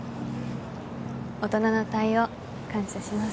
大人な対応感謝します。